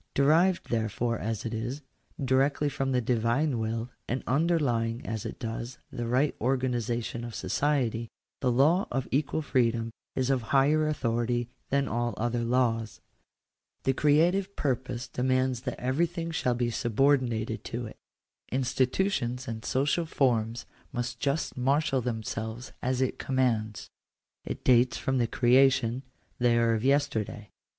Derived, therefore, as it is, directly from the Divine will, and underlying as it does the right organization of society, the law of equal freedom is of higher authority than all other laws. The creative purpose demands that everything shall be subordi o 2 Digitized by VjOOQ IC r c 196 POLITICAL RIGHTS. nated to it. Institutions and social forms must just marshal themselves as it commands. It dates from the creation ; they are of yesterday.